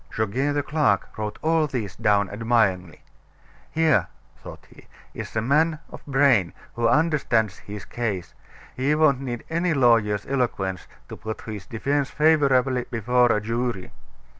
Goguet, the clerk, wrote all this down admiringly. "Here," thought he, "is a man of brain, who understands his case. He won't need any lawyer's eloquence to put his defense favorably before a jury."